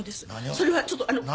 それはちょっと困る。